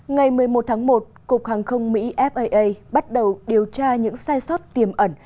ngày một mươi một tháng một cục hàng không mỹ faa bắt đầu điều tra những sai sót tiềm ẩn